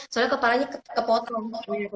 soalnya kepalanya kepotong